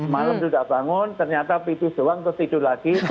malam tidak bangun ternyata pipis doang terus tidur lagi